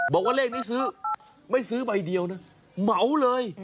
บอกว่าเลขนี้ซื้อไม่ซื้อใบเดียวนะเหมาเลย